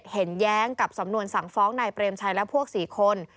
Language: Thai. แย้งกับสำนวนสั่งฟ้องนายเปรมชัยและพวก๔คน